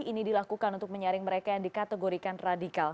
ini dilakukan untuk menyaring mereka yang dikategorikan radikal